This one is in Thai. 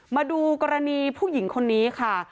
มาดูกรณีผู้หญิงคนนี้ค่ะ